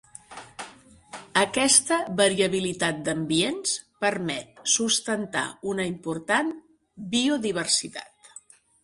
Aquesta variabilitat d'ambients permet sustentar una important biodiversitat.